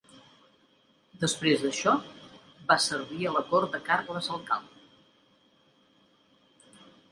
Després d'això, va servir a la cort de Carles el Calb.